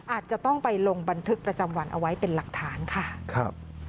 อาจจะต้องไปลงบันทึกประจำวันเอาไว้เป็นหลักฐานค่ะครับ